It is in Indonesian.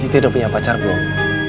tidak punya pacar belum